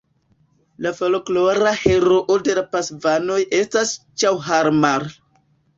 La folklora heroo de la Pasvanoj estas Ĉaŭharmal.